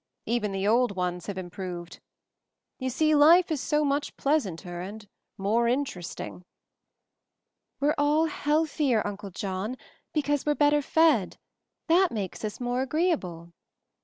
Even the old ones have improved. You see, lif e is so much pleasanter and more interesting/'J "We're all healthier, Uncle John, because we're better fed ; that makes us more agree able."